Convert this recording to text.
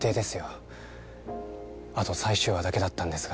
あと最終話だけだったんですが。